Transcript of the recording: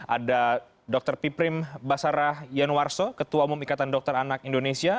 ada dr piprim basarah yanwarso ketua umum ikatan dokter anak indonesia